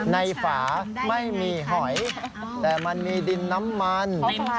ฝาไม่มีหอยแต่มันมีดินน้ำมัน